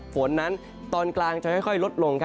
ฝนนั้นตอนกลางจะค่อยลดลง